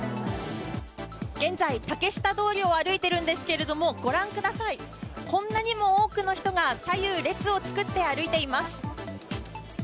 現在、竹下通りを歩いているんですがこんなにも多くの人が左右、列を作って歩いています。